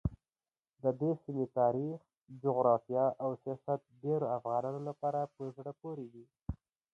ددې سیمې تاریخ، جغرافیه او سیاست ډېرو افغانانو لپاره په زړه پورې دي.